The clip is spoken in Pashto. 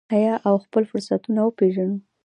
آیا او خپل فرصتونه وپیژنو؟